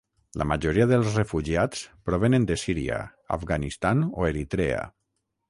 La majoria dels refugiats provenen de Síria, Afganistan o Eritrea.